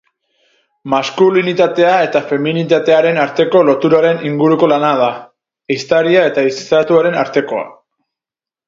Maskulinitatea eta feminitatearen arteko loturaren inguruko lana da, ehiztaria eta ehizatuaren artekoa.